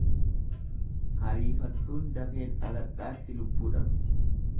Hariifattuun dafeen dhaladhaatti lubbuu dhabdi.